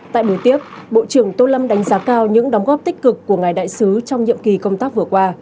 tại buổi tiếp bộ trưởng tô lâm đánh giá cao những đóng góp tích cực của ngài đại sứ trong nhiệm kỳ công tác vừa qua